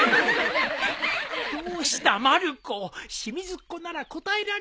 どうしたまる子清水っ子なら答えられるはずじゃ